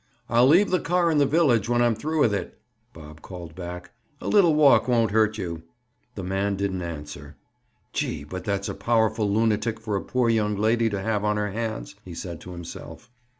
"I'll leave the car in the village when I'm through with it," Bob called back. "A little walk won't hurt you." The man didn't answer. "Gee! but that's a powerful lunatic for a poor young lady to have on her hands!" he said to himself.